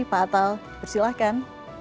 pak atal persilahkan